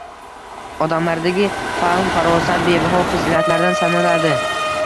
Odamlardagi fahm-farosat bebaho fazilatlardan sanaladi.